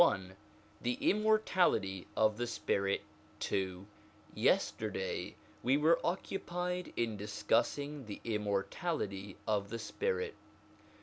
LXI THE IMMORTALITY OF THE SPIRIT (II) YESTERDAY we were occupied in discussing the immor tality of the spirit.